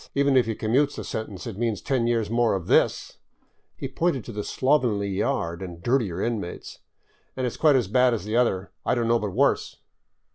Even if he commutes the sentence, it means ten years more of this "— he pointed to the slovenly yard and dirtier inmates —'' and it 's quite as bad as the other ; I don't know but worse."